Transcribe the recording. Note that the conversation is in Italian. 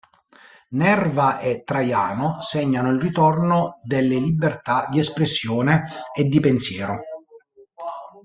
Nerva e Traiano segnano il ritorno delle libertà di espressione e di pensiero.